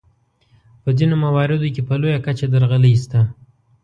په ځینو مواردو کې په لویه کچه درغلۍ شته.